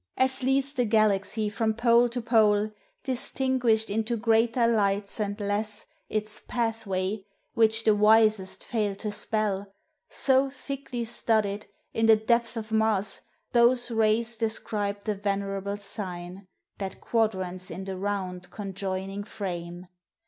As leads the galaxy from pole to pole, Distinguished into greater lights and less, Its pathway, which the wisest fail to spell; So thickly studded, in the depth of Mars, Those rays described the venerable sign, That quadrants in the round conjoining frame.